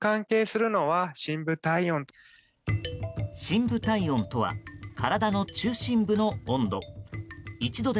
深部体温とは体の中心部の温度。